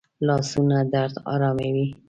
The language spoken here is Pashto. لاسونه درد آراموي